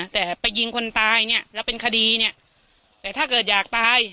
แต่ไปยิงคนตายเนี่ยแล้วเป็นคดีเนี่ยแต่ถ้าเกิดอยากตาย